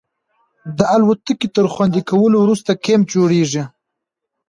د الوتکې تر خوندي کولو وروسته کیمپ جوړیږي